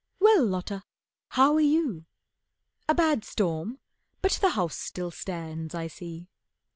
Well, Lotta, how are you? A bad storm, but the house still stands, I see.